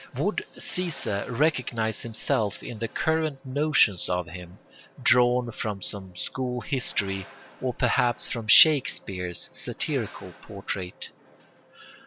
Would Caesar recognise himself in the current notions of him, drawn from some school history, or perhaps from Shakespeare's satirical portrait?